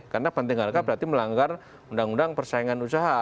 karena banting harga berarti melanggar undang undang persaingan usaha